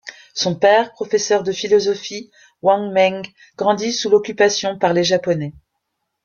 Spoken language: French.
Son père professeur de philosophie, Wang Meng grandît sous l’occupation par les Japonais.